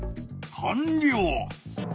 かんりょう！